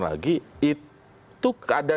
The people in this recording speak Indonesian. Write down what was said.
lagi itu ada